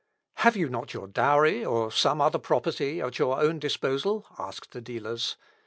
"Have you not your dowry, or some other property, at your own disposal?" asked the dealers.